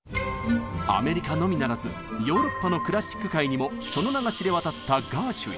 アメリカのみならずヨーロッパのクラシック界にもその名が知れ渡ったガーシュウィン。